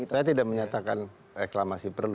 saya tidak menyatakan reklamasi perlu